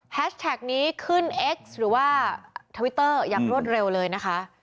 แท็กนี้ขึ้นเอ็กซ์หรือว่าทวิตเตอร์อย่างรวดเร็วเลยนะคะ